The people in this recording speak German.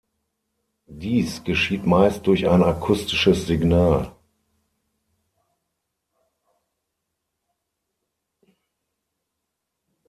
Dies geschieht meist durch ein akustisches Signal.